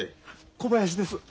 小林です。